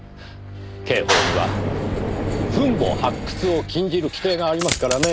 刑法には墳墓発掘を禁じる規定がありますからね。